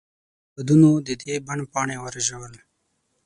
د خزان بادونو د دې بڼ پاڼې ورژول.